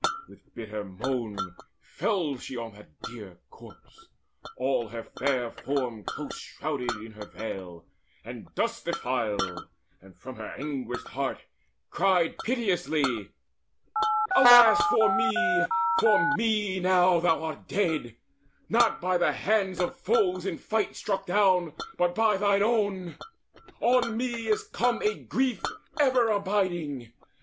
With bitter moan Fell she on that dear corpse, all her fair form Close shrouded in her veil, and dust defiled, And from her anguished heart cried piteously: "Alas for me, for me now thou art dead, Not by the hands of foes in fight struck down, But by thine own! On me is come a grief Ever abiding!